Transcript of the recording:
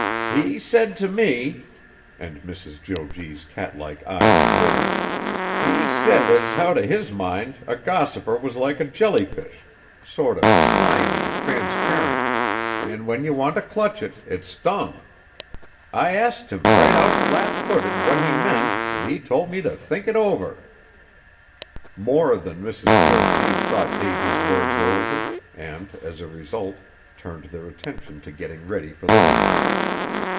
"He said t' me!" and Mrs. Jo G.'s catlike eyes glittered, "he said as how t' his mind a gossiper was like a jellyfish, sort o' slimy an' transparent, an' when you went t' clutch it, it stung! I asked him right out flat footed what he meant, an' he told me t' think it over!" More than Mrs. Jo G. thought Davy's words over, and, as a result, turned their attention to getting ready for the winter.